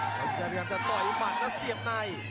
แล้วสินใจพี่ครับจะต่อยมันแล้วเสียบใน